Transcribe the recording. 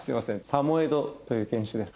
サモエドという犬種です。